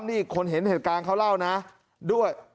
นี่คนเห็นเหตุการณ์เขาเล่านะด้วย